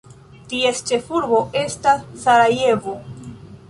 Ties ĉefurbo estas Sarajevo.